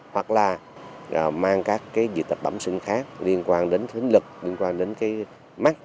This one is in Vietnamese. hoặc là mang các cái dị tập bẩm sưng khác liên quan đến hình lực liên quan đến cái mắt